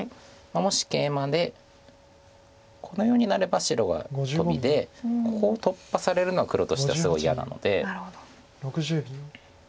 もしケイマでこのようになれば白がトビでここを突破されるのは黒としてはすごい嫌なので。